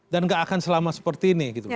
dan gak akan selama seperti ini